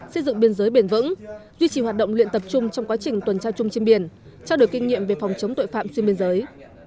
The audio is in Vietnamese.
xây dựng biên giới bền vững duy trì hoạt động luyện tập trung trong quá trình tuần tra chung trên biển trao đổi kinh nghiệm về phòng chống tội phạm xuyên biên giới